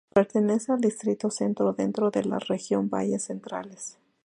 Pertenece al distrito centro, dentro de la región valles centrales.